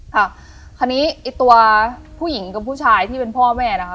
ค่ะคราวนี้ไอ้ตัวผู้หญิงกับผู้ชายที่เป็นพ่อแม่นะคะ